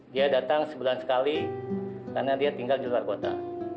dia datang sebulan sekali karena dia tinggal di luar kota